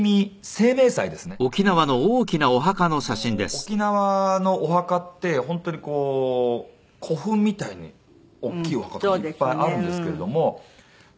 沖縄のお墓って本当にこう古墳みたいに大きいお墓とかがいっぱいあるんですけれども。